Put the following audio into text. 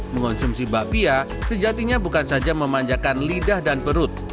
mengonsumsi bakpia sejatinya bukan saja memanjakan lidah dan perut